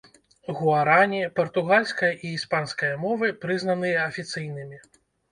Гуарані, партугальская і іспанская мовы прызнаныя афіцыйнымі.